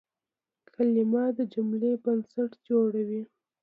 کلیمه د جملې بنسټ جوړوي.